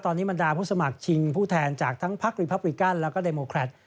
ตอนนี้บรรดาผู้สมัครชิงผู้แทนจากทั้งพักรีพับริกันแล้วก็ไดโมแครต